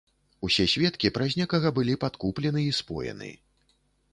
Усе сведкі праз некага былі падкуплены і споены.